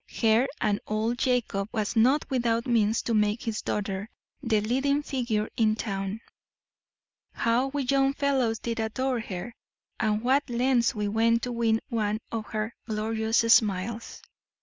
her, and old Jacob was not without means to make his daughter the leading figure in town. How we young fellows did adore her, and what lengths we went to win one of her glorious smiles!